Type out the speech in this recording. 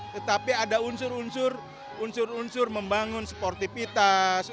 tetapi ada unsur unsur membangun sportivitas